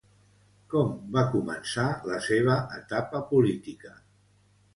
Com va començar la seva etapa política?